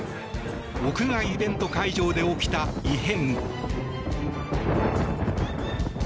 屋外イベント会場で起きた異変。